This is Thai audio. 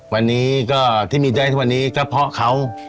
วันนี้ก็ที่มีใจทุกวันนี้ก็เพราะเขา